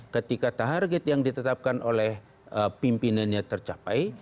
ketika target yang ditetapkan oleh pimpinannya tercapai